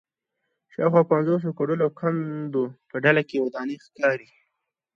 شاوخوا پنځوسو کوډلو او کندو په ډله کې ودانۍ ښکاري